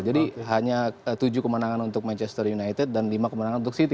jadi hanya tujuh kemenangan untuk manchester united dan lima kemenangan untuk city